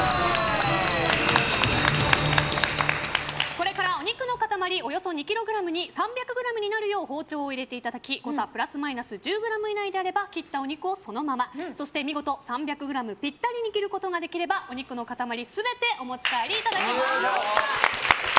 これからお肉の塊およそ２ｋｇに３００ｇになるよう包丁を入れていただき誤差プラスマイナス１０ｇ以内であれば切ったお肉をそのままそして見事３００ｇぴったりに切ることができればお肉の塊全てお持ち帰りいただけます。